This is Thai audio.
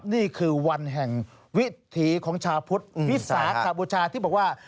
นี่คือวันแห่งวิถีของชาวพุทธวิสาขบูชาที่บอกว่า